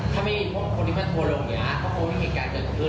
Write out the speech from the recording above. สำหรับพวกคนที่มาทวนลงเค้าคงไม่มีเหตุการณ์เจอขึ้น